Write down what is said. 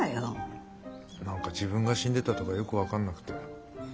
何か自分が死んでたとかよく分かんなくて。